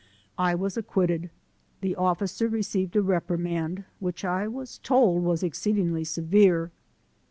I was acquitted; the officer re ceived a reprimand, which I was told was exceedingly severe.